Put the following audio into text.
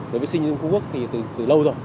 đối với sinh viên trung quốc thì từ lâu rồi